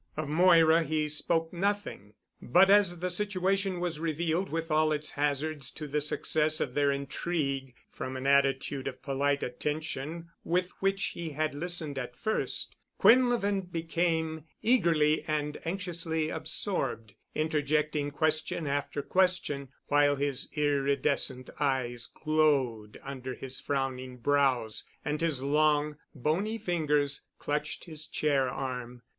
Of Moira he spoke nothing, but as the situation was revealed with all its hazards to the success of their intrigue, from an attitude of polite attention with which he had listened at first, Quinlevin became eagerly and anxiously absorbed, interjecting question after question, while his iridescent eyes glowed under his frowning brows and his long, bony fingers clutched his chair arm.